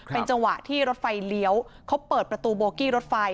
เป็นจังหวะที่รถไฟเลี้ยวเขาเปิดประตูโบกี้รถไฟ